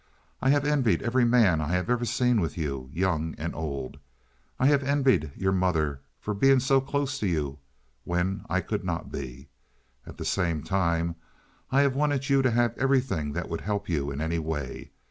I have envied every man I have ever seen with you—young and old. I have even envied your mother for being so close to you when I could not be. At the same time I have wanted you to have everything that would help you in any way.